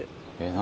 何？」